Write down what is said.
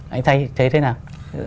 anh thấy thế nào